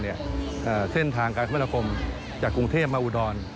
ทางรถยนต์เนี่ยเส้นทางการคุณภาคมจากกรุงเทพมาอุดร